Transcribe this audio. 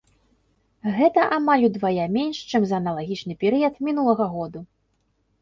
Гэта амаль удвая менш, чым за аналагічны перыяд мінулага году.